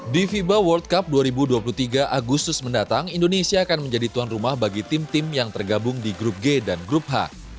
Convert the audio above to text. di fiba world cup dua ribu dua puluh tiga agustus mendatang indonesia akan menjadi tuan rumah bagi tim tim yang tergabung di grup g dan grup h